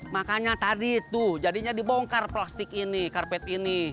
makanya tadi itu jadinya dibongkar plastik ini karpet ini